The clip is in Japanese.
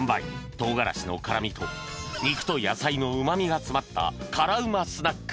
唐辛子の辛みと肉と野菜のうまみが詰まった辛うまスナック